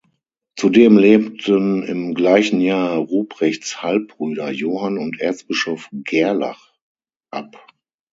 Zudem lebten im gleichen Jahr Ruprechts Halbbrüder Johann und Erzbischof Gerlach ab.